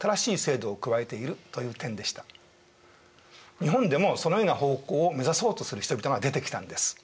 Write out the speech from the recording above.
日本でもそのような方向を目指そうとする人々が出てきたんです。